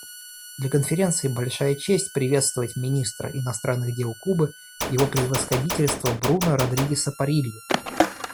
Для Конференции большая честь приветствовать министра иностранных дел Кубы Его Превосходительство Бруно Родригеса Паррилью.